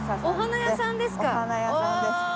お花屋さんですか？